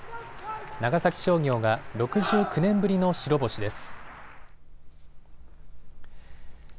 長崎商業が６９年ぶりの白星です。